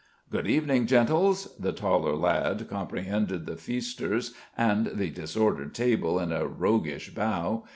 "Good evening, gentles!" The taller lad comprehended the feasters and the disordered table in a roguish bow.